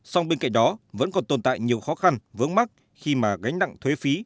song bên cạnh đó vẫn còn tồn tại nhiều khó khăn vướng mắt khi mà gánh nặng thuế phí